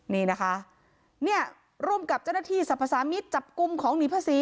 เนี่ยร่มกับเจ้าหน้าที่สัมภาษามิตรจับกลุ่มของหนีภาษี